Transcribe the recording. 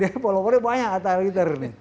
dia followernya banyak atta halilitar